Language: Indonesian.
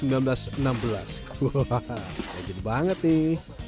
wah wajit banget nih